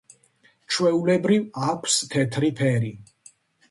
ჩვეულებრივ აქვს თეთრი ფერი.